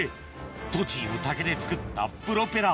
栃木の竹で作ったプロペラ